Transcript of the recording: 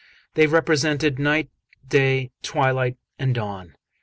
They represented Night, Day, Twilight, and Dawn.